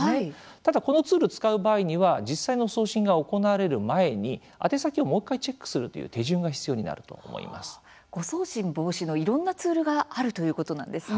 ただ、このツール使う場合には実際の送信が行われる前に宛先をもう１回チェックするという手順が誤送信の防止もいろんなツールがあるということなんですね。